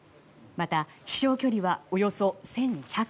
また飛翔距離はおよそ１１００ｋｍ